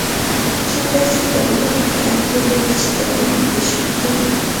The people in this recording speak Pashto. چین داسې تګلارو ته اړتیا لرله چې تولید یې تشویق کړي.